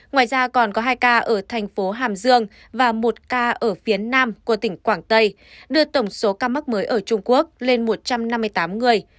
ngoài ra còn có hai ca ở thành phố hàm dương và một ca ở phía nam của tỉnh quảng tây đưa tổng số ca mắc mới ở trung quốc lên một trăm năm mươi tám người